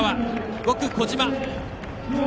５区、小島。